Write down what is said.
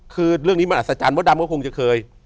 คือเรื่องนี้มันอัศจรรย์มดดำก็คงจะเคย